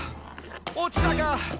落ちたか！」